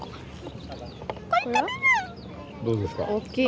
どうですか。